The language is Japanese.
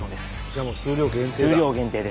じゃあ数量限定だ。